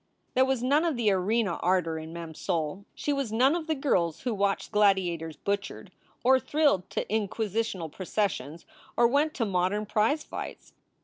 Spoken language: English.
There was none of the arena ardor in Mem s soul. She was none of the girls who watched galdiators butchered, or thrilled to Inquisitional processions, or went to modern prize fights.